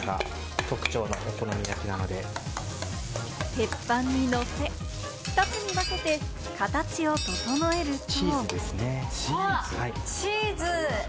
鉄板に乗せ、２つに分けて形を整えると。